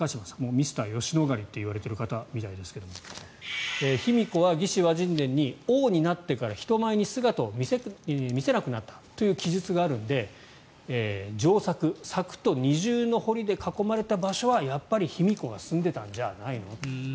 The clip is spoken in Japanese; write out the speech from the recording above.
ミスター吉野ヶ里といわれている方みたいですが卑弥呼は「魏志倭人伝」に王になってから人前に姿を見せなくなったという記述があるので城柵、柵と二重の堀で囲まれた場所はやっぱり卑弥呼が住んでいたんじゃないの。